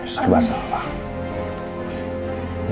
serba salah pak